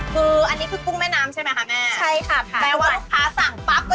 คืออันนี้คือกุ้งแม่น้ำใช่ไหมคะแม่